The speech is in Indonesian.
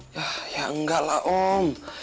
ya enggak lah om